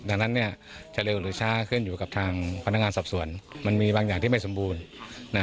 ดังนั้นจะเร็วหรือช้าขึ้นอยู่กับทางพนักงานสอบสวนมันมีบางอย่างที่ไม่สมบูรณ์